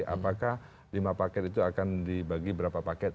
apakah lima paket itu akan dibagi berapa paket